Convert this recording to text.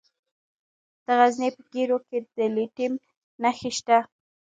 د غزني په ګیرو کې د لیتیم نښې شته.